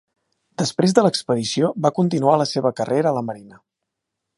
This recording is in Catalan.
Després de l'expedició va continuar la seva carrera a la marina.